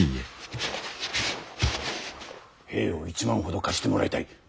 兵を１万ほど貸してもらいたい。